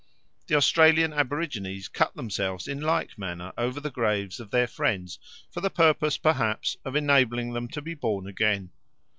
The Australian aborigines cut themselves in like manner over the graves of their friends for the purpose, perhaps, of enabling them to be born again.